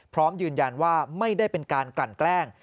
พร้อมยืนยันว่าไม่ได้เป็นการกลั่นแกล้ง